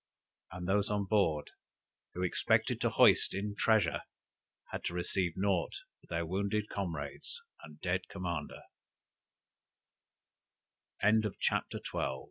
And those on board, who expected to hoist in treasure had to receive naught but their wounded comrades and dead comman